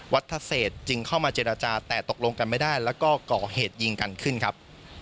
ทะเศษจึงเข้ามาเจรจาแต่ตกลงกันไม่ได้แล้วก็ก่อเหตุยิงกันขึ้นครับ